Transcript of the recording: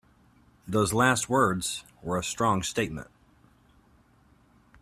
Those last words were a strong statement.